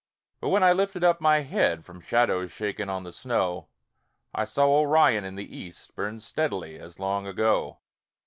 But when I lifted up my head From shadows shaken on the snow, I saw Orion in the east Burn steadily as long ago.